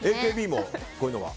ＡＫＢもこういうのは？